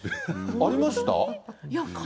ありました？